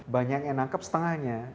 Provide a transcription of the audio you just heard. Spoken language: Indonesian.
banyak yang nangkep setengahnya